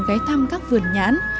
gái thăm các vườn nhãn